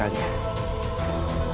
dan bantuan kalian